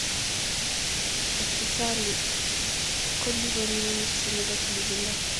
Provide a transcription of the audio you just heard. hospitalini kolipeni ministry nebo tillindo